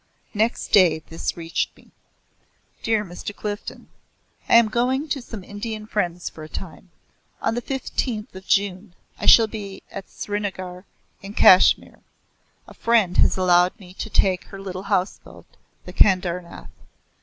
Next day this reached me: Dear Mr. Clifden, I am going to some Indian friends for a time. On the 15th of June I shall be at Srinagar in Kashmir. A friend has allowed me to take her little houseboat, the "Kedarnath."